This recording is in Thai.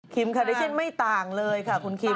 คาเดชั่นไม่ต่างเลยค่ะคุณคิม